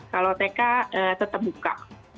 kalau tk tetap buka